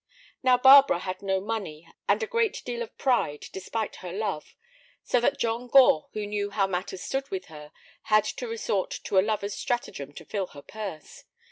Now, Barbara had no money and a great deal of pride despite her love, so that John Gore, who knew how matters stood with her, had to resort to a lover's stratagem to fill her purse.